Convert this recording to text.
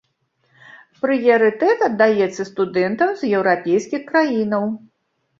Прыярытэт аддаецца студэнтам з еўрапейскіх краінаў.